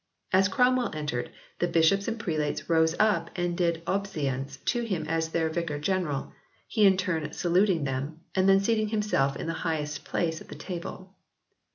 As Cromwell entered, the bishops and prelates rose up and did obeisance to him as their Vicar General, he in turn saluting them, and then seating himself in the highest place at the table.